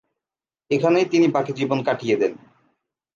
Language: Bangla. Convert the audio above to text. এখানেই তিনি বাকী জীবন কাটিয়ে দেন।